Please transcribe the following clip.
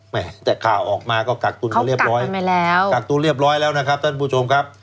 แหมแต่ข่าวออกมาก็กักตุ้นเรียบร้อยเขากักมันไปแล้วกักตุ้นเรียบร้อยแล้วนะครับท่านผู้ชมครับ